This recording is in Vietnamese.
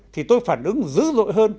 thì tôi phản ứng dữ dội hơn